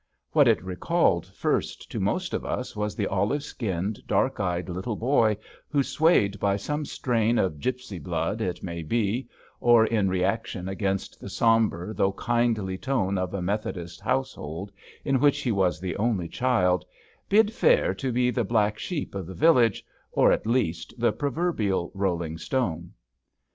What it recalled first to most of us was the olive skinned, dark eyed little boy who, swayed by some strain of gipsy blood it may be, or in reaction against the sombre though kindly tone of a Methodist house hold in which he was the only child, bid 48 THE SAILOR fair to be the black sheep of the village, or, at least, the proverbial rolling stone.